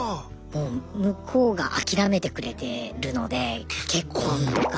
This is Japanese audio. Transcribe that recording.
もう向こうが諦めてくれてるので結婚とか。